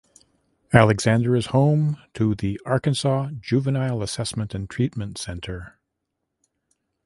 Alexander is home to the Arkansas Juvenile Assessment and Treatment Center.